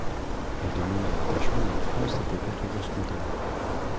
Les demandes de rattachement à la France n'étaient pas toujours spontanées.